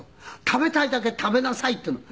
食べたいだけ食べなさいっていうの。